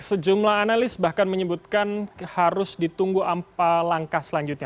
sejumlah analis bahkan menyebutkan harus ditunggu apa langkah selanjutnya